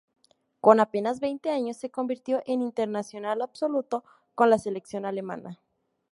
Con apenas veinte años se convirtió en internacional absoluto con la selección alemana.